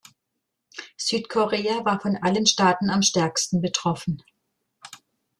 Südkorea war von allen Staaten am stärksten betroffen.